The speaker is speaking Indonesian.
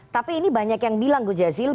tapi ini banyak yang bilang gujazil